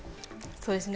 そうですね。